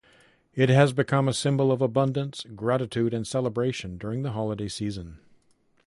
It has become a symbol of abundance, gratitude, and celebration during the holiday season.